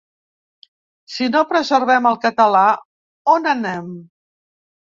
Si no preservem el català, on anem?